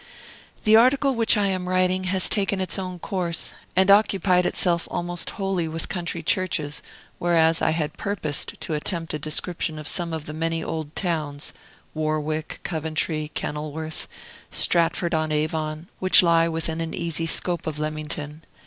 The article which I am writing has taken its own course, and occupied itself almost wholly with country churches; whereas I had purposed to attempt a description of some of the many old towns Warwick, Coventry, Kenilworth, Stratford on Avon which lie within an easy scope of Leamington.